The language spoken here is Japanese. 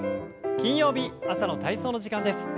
金曜日朝の体操の時間です。